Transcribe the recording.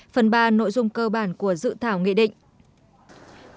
phần ba nội dung cơ bản của dự thảo nghị định